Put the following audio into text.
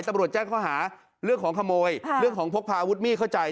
ตำรวจแจ้งข้อหาเรื่องของขโมยเรื่องของพกพาอาวุธมีดเข้าใจ